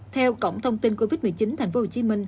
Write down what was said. theo cổng thông tin covid một mươi chín tp hcm